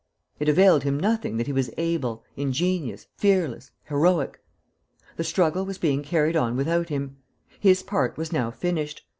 It availed him nothing that he was able, ingenious, fearless, heroic. The struggle was being carried on without him. His part was now finished.